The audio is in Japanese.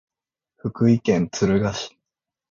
福井県敦賀市